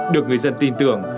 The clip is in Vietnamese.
được người dân tin tưởng